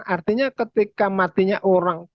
artinya ketika matinya orang